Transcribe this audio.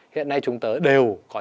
hiện nay chúng ta đều có những